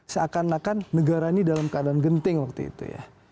seakan akan negara ini dalam keadaan genting waktu itu ya